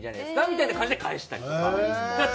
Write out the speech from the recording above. みたいな感じで返したりとか。